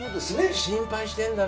心配してるんだろ？